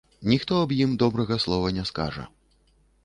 Ніхто аб ім добрага слова не скажа.